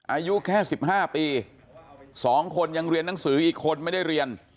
อายุแค่๑๕ปี๒คนยังเรียนหนังสืออีกคนไม่ได้เรียน